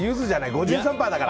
５３％だから。